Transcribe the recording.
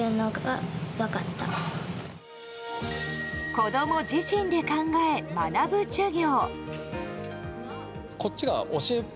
子供自身で考え学ぶ授業。